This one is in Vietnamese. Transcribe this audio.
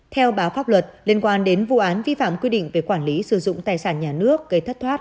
theo báo pháp luật liên quan đến vụ án vi phạm quy định về quản lý sử dụng tài sản nhà nước gây thất thoát